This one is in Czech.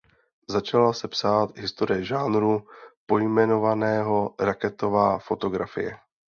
Začala se psát historie žánru pojmenovaného „raketová fotografie“.